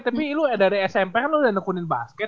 tapi lu dari smp kan lu udah nekunin basket